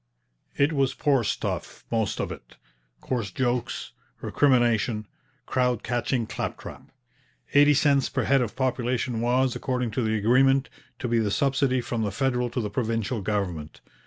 It was poor stuff, most of it; coarse jokes, recrimination, crowd catching claptrap. Eighty cents per head of population was, according to the agreement, to be the subsidy from the federal to the provincial government.